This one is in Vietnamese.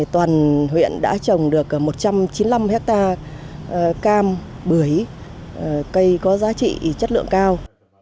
toàn huyện đã trồng được một trăm chín mươi năm hectare cam bưởi cây có giá trị chất lượng cao